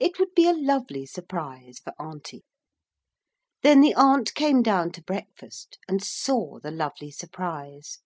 It would be a lovely surprise for Auntie. Then the aunt came down to breakfast and saw the lovely surprise.